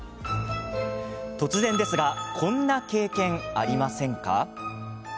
突然ですがこんな経験ありませんか？